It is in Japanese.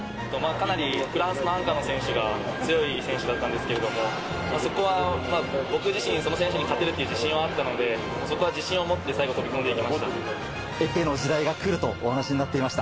かなりフランスのアンカーの選手が強い選手だったんですけれども、そこは僕自身、その選手に勝てるという自信はあったので、そこは自信を持って最後、飛び込エペの時代が来るとお話になっていました。